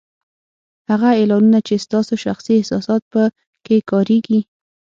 هغه اعلانونه چې ستاسو شخصي احساسات په کې کارېږي